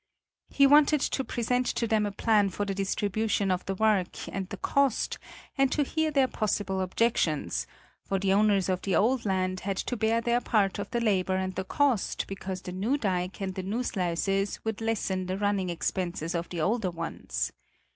He wanted to present to them a plan for the distribution of the work and the cost and to hear their possible objections; for the owners of the old land had to bear their part of the labor and the cost because the new dike and the new sluices would lessen the running expenses of the older ones.